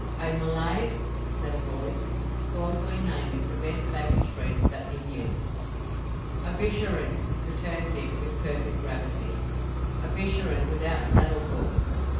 "A Mulaid?" said a voice, scornfully naming the best baggage breed that he knew. "A Bisharin," returned Dick, with perfect gravity. "A Bisharin without saddle galls.